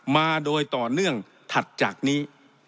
มาโดยต่อเนื่องถัดจากนี้